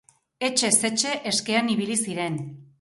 Etxez etxe eskean ibili ziren.